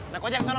bang ojak kesana